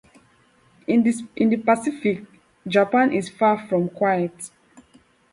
In the Pacific, Japan is far from quiet.